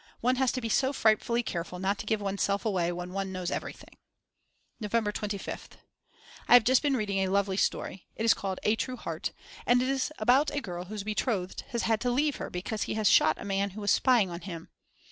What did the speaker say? One has to be so frightfully careful not to give oneself away when one knows everything. November 25th. I have just been reading a lovely story; it is called A True Heart and is about a girl whose betrothed has had to leave her because he has shot a man who was spying on him.